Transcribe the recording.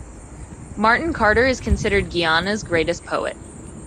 Martin Carter is considered Guyana's greatest poet.